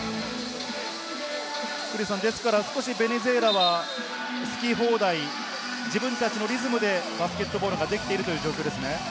ベネズエラは好き放題、自分たちのリズムでバスケットボールができているという状況ですね。